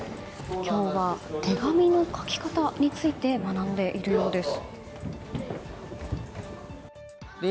今日は手紙の書き方について学んでいるようです。